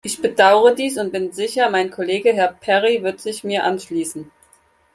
Ich bedaure dies und bin sicher, mein Kollege, Herr Perry, wird sich mir anschließen.